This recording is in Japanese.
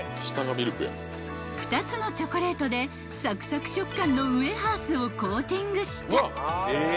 ［２つのチョコレートでサクサク食感のウエハースをコーティングした］